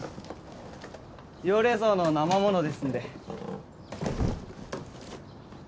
要冷蔵の生ものですんで。